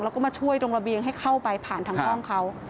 แล้วก็มาช่วยตรงระเบียงให้เข้าไปผ่านทางห้องเขา